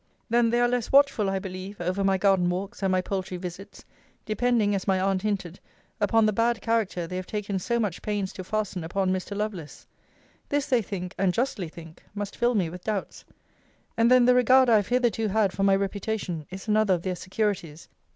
Then they are less watchful, I believe, over my garden walks, and my poultry visits, depending, as my aunt hinted, upon the bad character they have taken so much pains to fasten upon Mr. Lovelace. This, they think, (and justly think,) must fill me with doubts. And then the regard I have hitherto had for my reputation is another of their securities.